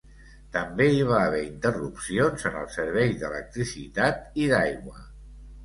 També hi va haver interrupcions en el servei d'electricitat i d'aigua.